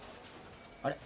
あれ？